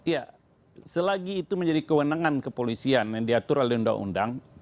ya selagi itu menjadi kewenangan kepolisian yang diatur oleh undang undang